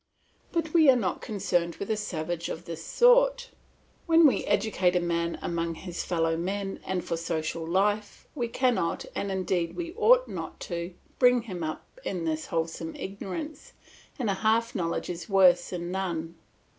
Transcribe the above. But we are not concerned with a savage of this sort. When we educate a man among his fellow men and for social life, we cannot, and indeed we ought not to, bring him up in this wholesome ignorance, and half knowledge is worse than none.